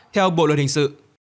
theo bộ luật hình sự